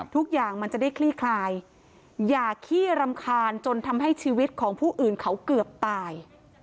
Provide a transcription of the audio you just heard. ทุกอย่างมันจะได้คลี่คลายอย่าขี้รำคาญจนทำให้ชีวิตของผู้อื่นเขาเกือบตาย